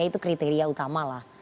itu kriteria utama lah